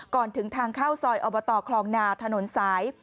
ก่อนถึงทางเข้าซอยอบตคลองนาถนนสาย